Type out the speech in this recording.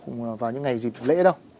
những ngày dịp lễ đâu